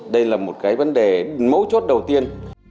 đây là một cái vấn đề mấu chốt đầu tiên